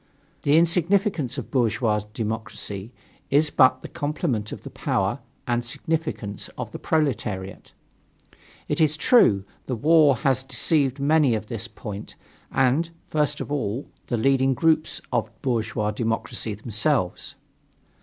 The insignificance of bourgeois democracy is but the complement of the power and significance of the proletariat. It is true, the war has deceived many on this point, and, first of all, the leading groups of bourgeois democracy themselves.